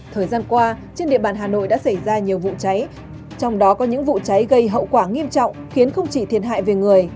thời gian qua trên địa bàn hà nội đã xảy ra nhiều vụ cháy trong đó có những vụ cháy gây hậu quả nghiêm trọng khiến không chỉ thiệt hại về người